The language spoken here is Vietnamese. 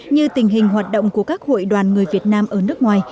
như tình hình hoạt động của các hội đoàn người việt nam ở nước ngoài